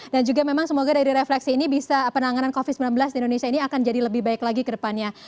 dan juga memang semoga dari refleksi ini bisa penanganan covid sembilan belas di indonesia ini akan jadi lebih baik lagi ke depannya